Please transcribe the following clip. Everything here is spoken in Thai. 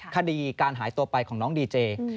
คดีการหายตัวไปของน้องดีเจ